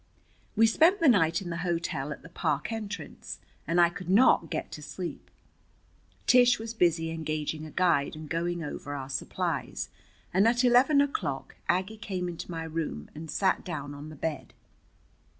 We spent the night in the hotel at the park entrance, and I could not get to sleep. Tish was busy engaging a guide and going over our supplies, and at eleven o'clock Aggie came into my room and sat down on the bed.